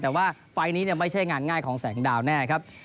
แต่ว่าไฟล์นี้ไม่ใช่งานง่ายของแสงดาวแน่ครับ